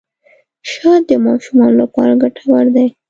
شات د ماشومانو لپاره ګټور دي.